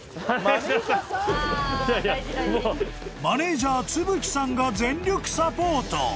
［マネージャー津吹さんが全力サポート］